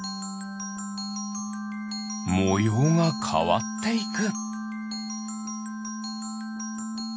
もようがかわっていく。